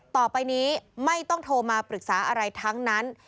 ต่อไปนี้ไม่ต้องโทรมาปรึกษาอะไรทั้งนั้น